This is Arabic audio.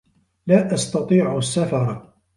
لا أستطيع السّفر.